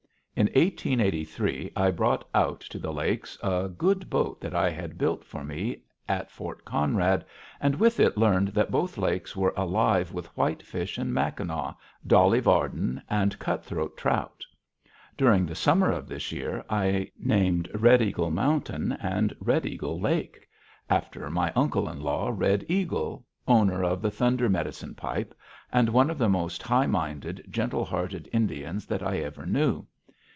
In 1883 I brought out to the lakes a good boat that I had had built for me at Fort Conrad, and with it learned that both lakes were alive with whitefish and Mackinaw, Dolly Varden, and cutthroat trout. During the summer of this year I named Red Eagle Mountain and Red Eagle Lake, after my uncle in law, Red Eagle, owner of the Thunder medicine pipe, and one of the most high minded, gentle hearted Indians that I ever knew.